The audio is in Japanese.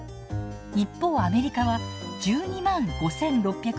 一方アメリカは１２５，６６４円。